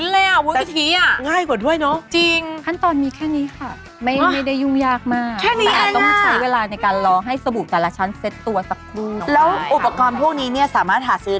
แล้วอุปกรณ์พวกนี้เนี่ยสามารถหาซื้อได้ที่ไหนบ้างคะ